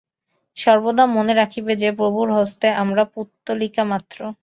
সর্বদা মনে রাখিবে যে, প্রভুর হস্তে আমরা পুত্তলিকামাত্র।